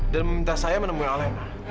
dan meminta saya menemui alina